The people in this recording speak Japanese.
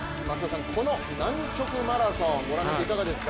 この南極マラソンご覧になっていかがですか？